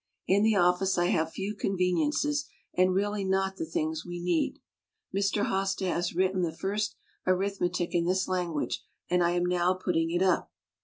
In the office I have few conveniences and really not the things we need. Mr. Hoste has written the first arithmetic in this lan guage and I am now putting it up.